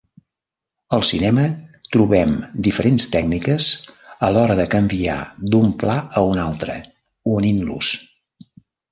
Al cinema trobem diferents tècniques a l'hora de canviar d'un pla a un altre, unint-los.